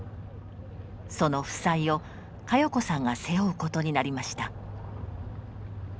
その負債を佳世子さんが背負うことになりました。